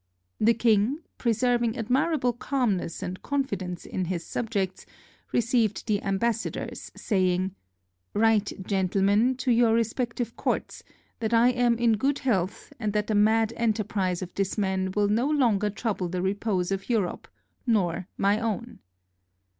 The king, preserving admirable calmness and confidence in his subjects, received the ambassadors, saying, "Write, gentlemen, to your respective courts that I am in good health, and that the mad enterprise of this man will no longer trouble the repose of Europe nor my own."